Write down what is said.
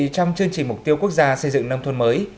trong chương trình mục tiêu quốc gia xây dựng nông thôn mới